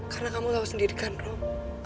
karena kamu tahu sendiri kan rob